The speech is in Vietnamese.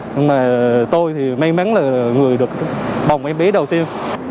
nhưng mà tôi thì may mắn là người được bồng em bé đầu tiên